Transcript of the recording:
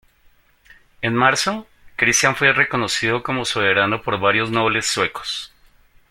En marzo, Cristián fue reconocido como soberano por varios nobles suecos.